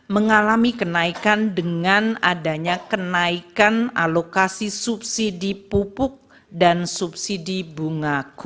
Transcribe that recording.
mengalami kenaikan sebesar rp satu dua puluh tiga triliun